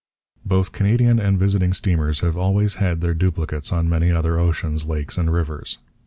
Both Canadian and visiting steamers have always had their duplicates on many other oceans, lakes, and rivers.